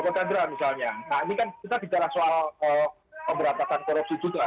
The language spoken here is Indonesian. pak joko chandra misalnya nah ini kan kita bicara soal pemberantasan korupsi juga